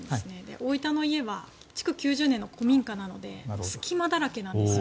大分の家は築９０年の古民家なので隙間だらけなんですよ。